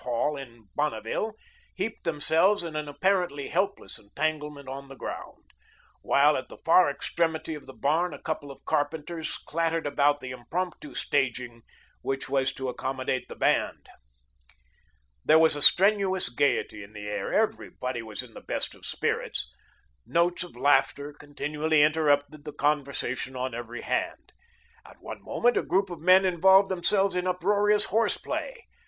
hall in Bonneville, heaped themselves in an apparently hopeless entanglement on the ground; while at the far extremity of the barn a couple of carpenters clattered about the impromptu staging which was to accommodate the band. There was a strenuous gayety in the air; everybody was in the best of spirits. Notes of laughter continually interrupted the conversation on every hand. At every moment a group of men involved themselves in uproarious horse play.